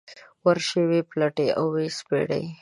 ورشي ویې پلټي او ويې سپړي.